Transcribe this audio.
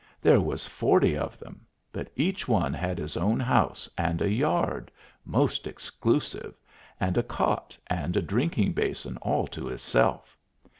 There was forty of them, but each one had his own house and a yard most exclusive and a cot and a drinking basin all to hisself.